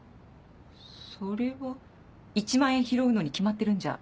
それは１万円拾うのに決まってるんじゃ。